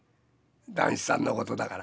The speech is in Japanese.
談志さんのことだから。